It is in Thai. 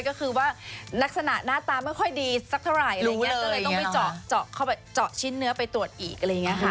ก็คือว่านักศพหน้าตราไม่ค่อยดีสักเท่าไหร่รู้เลยต้องไปเจาะชิ้นเนื้อไปตรวจอีกไรอย่างนี้ค่ะ